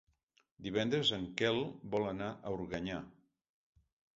Divendres en Quel vol anar a Organyà.